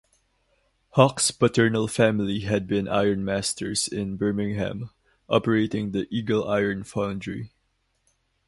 Hawkes' paternal family had been ironmasters in Birmingham, operating The Eagle Iron Foundry.